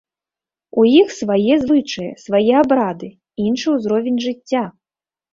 У іх свае звычаі, свае абрады, іншы ўзровень жыцця.